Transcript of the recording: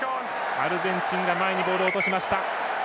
アルゼンチンが前にボールを落としました。